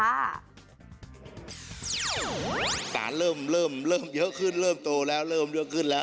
การเริ่มเยอะขึ้นเริ่มโตแล้วเริ่มเยอะขึ้นแล้ว